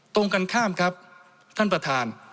ตรงกันข้ามครับท่านประธาน